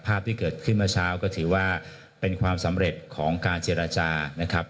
ภาพที่เกิดขึ้นเมื่อเช้าก็ถือว่าเป็นความสำเร็จของการเจรจานะครับ